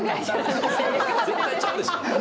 絶対ちゃうでしょ。